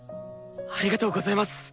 ありがとうございます！